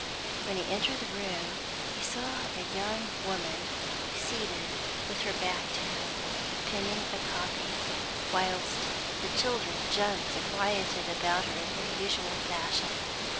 When he entered the room, he saw a young woman seated with her back to him, penning a copy, whilst the children jumped and rioted about her in their usual fashion.